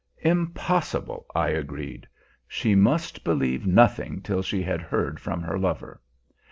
Impossible, I agreed. She must believe nothing till she had heard from her lover.